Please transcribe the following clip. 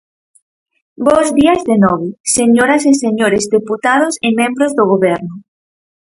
Bos días de novo, señoras e señores deputados e membros do Goberno.